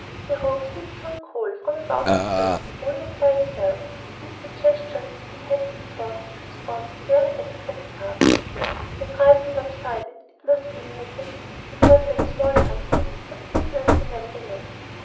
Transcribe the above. The rope seemed to uncoil from about his waist almost of itself, and with the gestures he had been taught, Chris formed a very adequate craft; a trifle lopsided, it must be admitted, as he had had small practice, but seaworthy nevertheless.